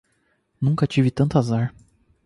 Nunca tive tanto azar